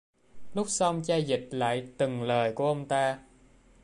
Lúc xong chai dịch lại từng lời của ông ta